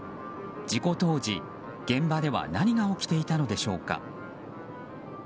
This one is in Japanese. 事故当時、現場では何が起きていたのでしょうか。